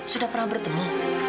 sudah berjalan ke rumah